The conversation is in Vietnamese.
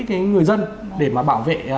cái người dân để mà bảo vệ